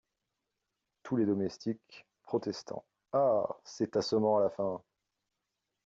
Tous Les Domestiques , protestant. — Ah ! c’est assommant à la fin !…